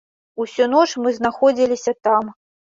Усю ноч мы знаходзіліся там.